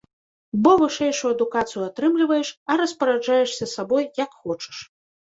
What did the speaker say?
Бо вышэйшую адукацыю атрымліваеш, а распараджаешся сабой, як хочаш.